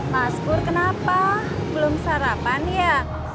mas bur kenapa belum sarapan ya